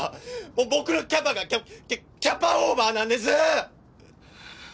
僕のキャパがキャキャキャパオーバーなんです！